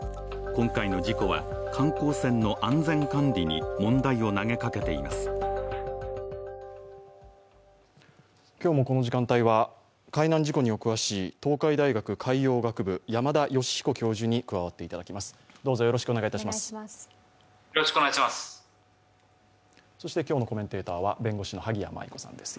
今日もこの時間帯は、海難事故にお詳しい東海大学海洋学部、山田吉彦教授に加わっていただきます。